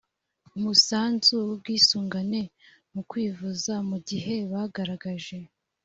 umusanzu w ubwisungane mu kwivuza mu gihe bagaragaje